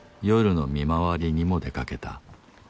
夜の見回りにも出かけた。